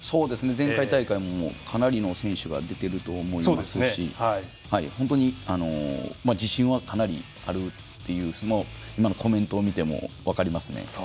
前回大会もかなりの選手が出ていると思いますし本当に自信はかなりあるという今のコメントを見てもそれが分かりますね。